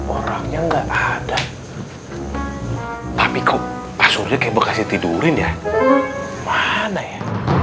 orangnya enggak ada tapi kok asurnya kekasih tidurin ya mana ya